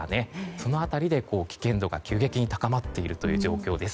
その辺りで危険度が急激に高まっている状況です。